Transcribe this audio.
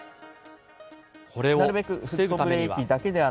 これを防ぐためには。